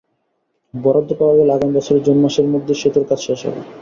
বরাদ্দ পাওয়া গেলে আগামী বছরের জুন মাসের মধ্যে সেতুর কাজ শেষ হবে।